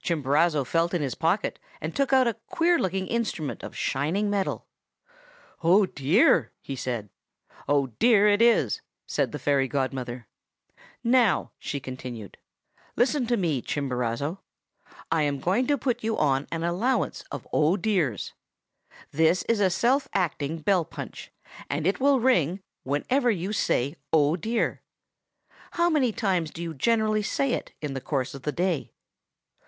"Chimborazo felt in his pocket, and took out a queer looking instrument of shining metal. 'Oh, dear!' he said. "'"Oh, dear!" it is!' said the fairy godmother. 'Now,' she continued, 'listen to me, Chimborazo! I am going to put you on an allowance of "Oh, dears." This is a self acting bell punch, and it will ring whenever you say "Oh, dear!" How many times do you generally say it in the course of the day?